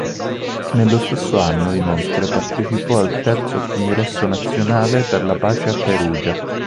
Nello stesso anno inoltre partecipò al terzo Congresso nazionale per la pace a Perugia.